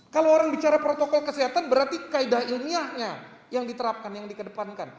kalau orang bicara protokol kesehatan berarti kaedah ilmiahnya yang diterapkan yang dikedepankan